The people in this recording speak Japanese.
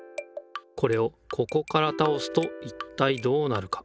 これをここから倒すといったいどうなるか？